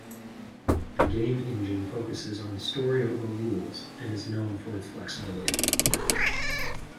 The game engine focuses on story over rules, and is known for its flexibility.